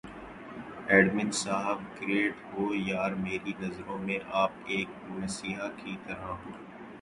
admin صاحب great ہو یار میری نظروں میں آپ ایک مسیحا کی طرح ہوں